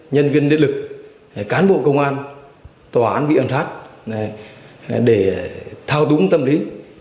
nhân viên liên lực cán bộ công an tòa án bị ẩn thát để thao túng tâm lý